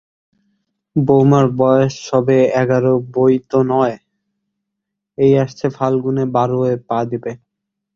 বউমার বয়স সবে এগারো বৈ তো নয়, এই আসছে ফাল্গুনে বারোয় পা দিবে।